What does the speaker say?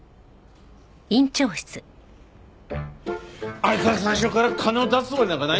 あいつは最初から金を出すつもりなんかないんだ！